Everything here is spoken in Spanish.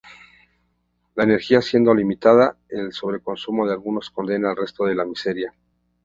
La energía siendo limitada, el sobre-consumo de algunos condena al resto a la miseria.